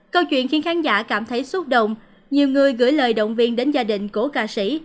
câu chuyện khiến khán giả cảm thấy xúc động nhiều người gửi lời động viên đến gia đình của ca sĩ